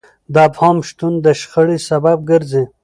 د ابهام شتون د شخړې سبب ګرځي.